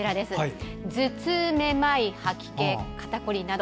頭痛、めまい、吐き気肩こりなど。